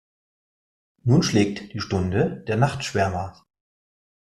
Nun schlägt die Stunde der Nachtschwärmer.